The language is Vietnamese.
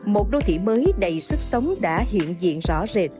một đô thị mới đầy sức sống đã hiện diện rõ rệt